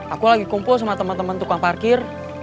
aku lagi kumpul sama teman teman tukang parkir